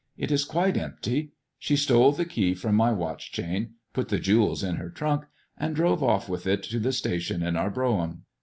It is quite empty ; she stole the key from my watch chain, put the jewels in her trunk, and drove off with it to the station in our brougham."